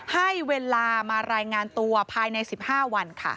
ให้เวลามารายงานตัวภายใน๑๕วันค่ะ